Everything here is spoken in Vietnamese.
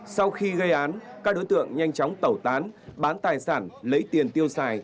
sau khi gây án các đối tượng nhanh chóng tẩu tán bán tài sản lấy tiền tiêu xài